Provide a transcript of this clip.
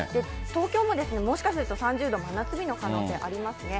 東京ももしかすると、３０度、真夏日の可能性ありますね。